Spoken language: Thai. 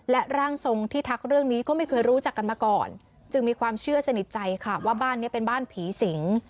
และร่างทรงที่ทักเรื่องนี้ก็ไม่เคยรู้จักกันมาก่อนจึงมีความเชื่อสนิทใจค่ะว่าบ้านนี้เป็นบ้านผีสิง